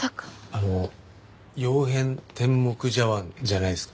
あの曜変天目茶碗じゃないですか？